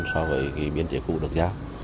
so với biên chế cũ được giao